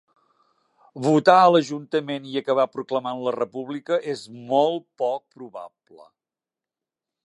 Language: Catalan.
Votar a l'Ajuntament i acabar proclamant la República és molt poc probable.